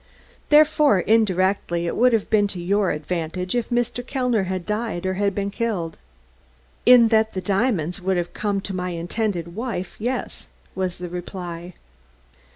"Therefore, indirectly, it would have been to your advantage if Mr. Kellner had died or had been killed?" "In that the diamonds would have come to my intended wife, yes," was the reply.